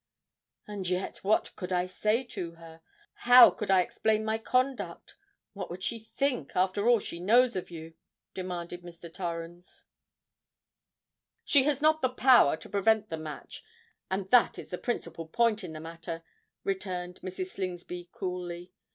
"And yet, what could I say to her? how could I explain my conduct? what would she think, after all she knows of you?" demanded Mr. Torrens. "She has not the power to prevent the match; and that is the principal point in the matter," returned Mrs. Slingsby coolly.